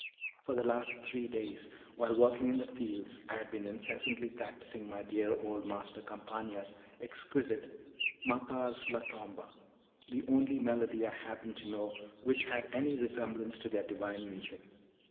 For the last three days, while working in the fields, I had been incessantly practicing my dear old master Campana's exquisite M'appar sulla tomba, the only melody I happened to know which had any resemblance to their divine music.